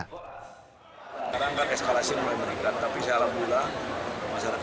kita tidak akan eskalasi oleh mereka tapi saya alamgula masyarakat kita jakarta secara khusus tidak terpengaruh